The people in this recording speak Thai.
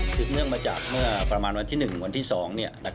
เนื่องมาจากเมื่อประมาณวันที่๑วันที่๒